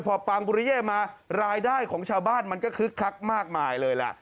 พอปังบุริเย่มารายได้ของชาวบ้านมันก็คึกคักมากมายเลยล่ะ